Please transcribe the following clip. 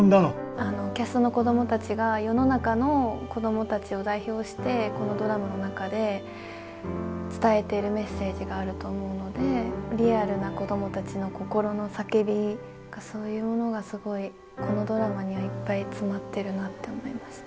あのキャストの子どもたちが世の中の子どもたちを代表してこのドラマの中で伝えてるメッセージがあると思うのでリアルな子どもたちの心の叫びがそういうものがすごいこのドラマにはいっぱい詰まってるなって思いました。